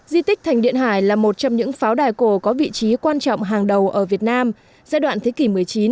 di tích thành điện hải là một trong những pháo đài cổ có vị trí quan trọng hàng đầu ở việt nam giai đoạn thế kỷ một mươi chín